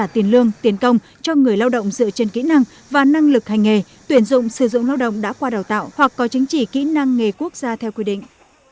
tiền lương tiền công cho người lao động dựa trên kỹ năng và năng lực hành nghề tuyển dụng sử dụng lao động đã qua đào tạo hoặc có chứng chỉ kỹ năng nghề quốc gia theo quy định